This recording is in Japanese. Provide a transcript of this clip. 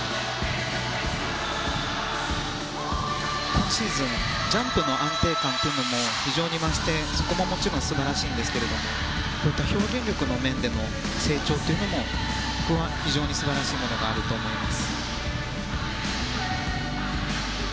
今シーズンジャンプの安定感というのも非常に増してそこももちろん素晴らしいですが表現力の面でも成長というのも僕は非常に素晴らしいものがあると思います。